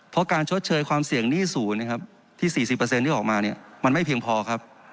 เพราะการชดเชยความเสี่ยงหนี้สูญที่๔๐ที่ออกมามันไม่เพียงพอครับ